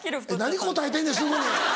何答えてんねんすぐに。